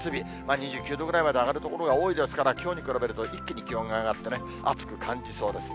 ２９度ぐらいまで上がる所が多いですから、きょうに比べると一気に気温が上がって、暑く感じそうです。